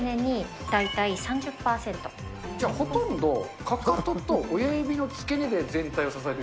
で、じゃあ、ほとんどかかとと親指の付け根で全体を支える。